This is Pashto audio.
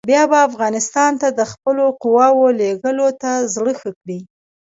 بیا به افغانستان ته د خپلو قواوو لېږلو ته زړه ښه کړي.